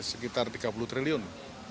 sekitar tiga puluh triliun